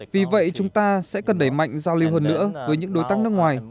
vì vậy chúng ta sẽ cần đẩy mạnh giao lưu hơn nữa với những đối tác nước ngoài